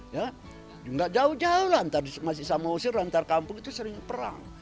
ya enggak jauh jauh antar masih sama usir antar kampung itu sering perang